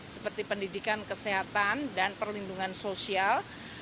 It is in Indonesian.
seperti pendidikan kesehatan dan perlindungan sosial